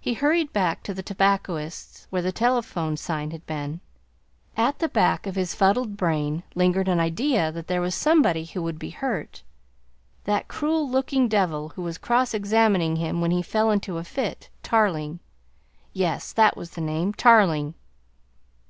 He hurried back to the tobacconist's where the telephone sign had been. At the back of his fuddled brain lingered an idea that there was somebody who would be hurt. That cruel looking devil who was cross examining him when he fell into a fit Tarling. Yes, that was the name, Tarling.